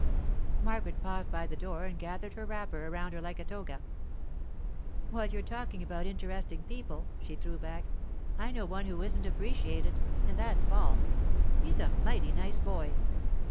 Margaret paused by the door and gathered her wrapper around her like a toga. 'While you're talking about interesting people,' she threw back, 'I know one who isn't appreciated, and that's Paul. He's a mighty nice boy.